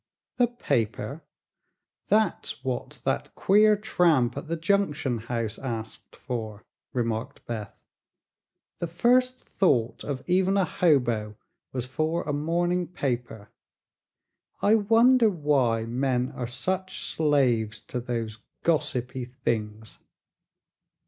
"The paper? That's what that queer tramp at the Junction House asked for," remarked Beth. "The first thought of even a hobo was for a morning paper. I wonder why men are such slaves to those gossipy things."